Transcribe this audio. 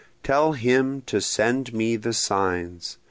Tell him to send me the signs.